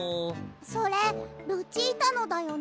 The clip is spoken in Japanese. それルチータのだよね？